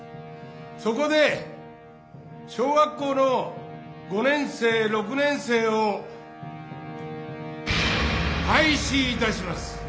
そこで小学校の５年生６年生を廃止いたします」。